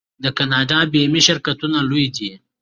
د کاناډا بیمې شرکتونه لوی دي.